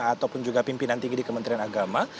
ataupun juga pimpinan tinggi di kementerian agama